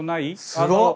すごっ。